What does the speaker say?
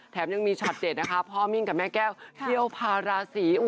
แถมยังมีช็อตเด็ดนะคะพ่อมิ้งกับแม่แก้วเที่ยวพาราศี